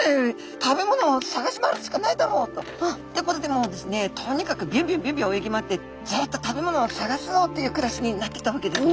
食べ物を探し回るしかないだろうと。ということでもうですねとにかくビュンビュンビュンビュン泳ぎ回ってずっと食べ物を探すぞっていう暮らしになってったわけですね。